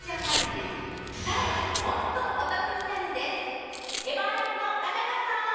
更にエバーライフの中川さん。